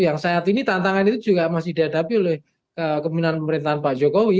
yang saya hati hati tantangan itu juga masih dihadapi oleh keminan pemerintahan pak jokowi